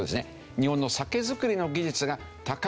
日本の酒造りの技術が高い。